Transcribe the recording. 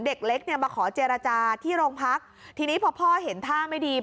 เด็กเล็กเนี่ยมาขอเจรจาที่โรงพักทีนี้พอพ่อเห็นท่าไม่ดี